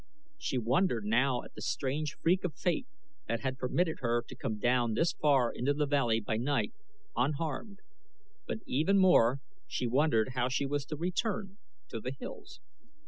She wondered now at the strange freak of fate that had permitted her to come down this far into the valley by night unharmed, but even more she wondered how she was to return to the hills.